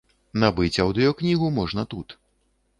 Набыць аўдыёкнігу можна тут.